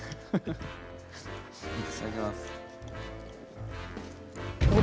いただきます。